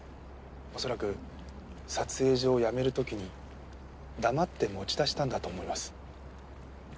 恐らく撮影所を辞める時に黙って持ち出したんだと思います。